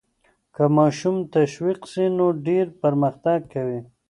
که ماشوم تشویق سي نو ډېر پرمختګ کوي.